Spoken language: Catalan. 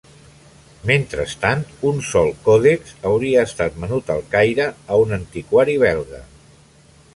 Mentrestant, un sol còdex hauria estat venut al Caire a un antiquari belga.